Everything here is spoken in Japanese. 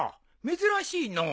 珍しいのう。